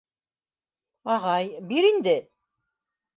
— Ағай, бир инде?